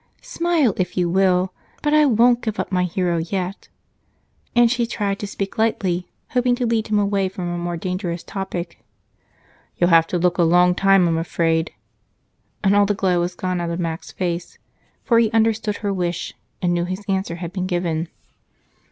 Smile if you will, but I won't give up my hero yet," and she tried to speak lightly, hoping to lead him away from a more dangerous topic. "You'll have to look a long while, I'm afraid," and all the glow was gone out of Mac's face, for he understood her wish and knew his answer had been given.